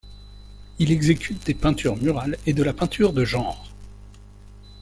Il exécute des peintures murales et de la peinture de genre.